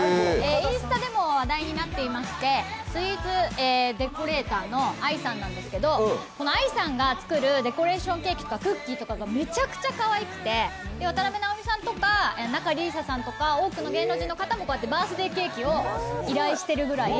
インスタでも話題になっていましてスイーツデコレーターのＡＩさんなんですけど、ＡＩさんが作るデコレーションケーキとかクッキーがめちゃくちゃかわいくて、渡辺直美さんとか仲里依紗さんとか多くの芸能人の方とかもバースデーケーキを依頼してるくらい。